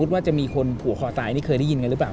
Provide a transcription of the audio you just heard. ว่าจะมีคนผัวคอตายนี่เคยได้ยินกันหรือเปล่า